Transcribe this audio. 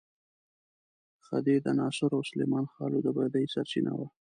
خدۍ د ناصرو او سلیمان خېلو د بدۍ سرچینه وه.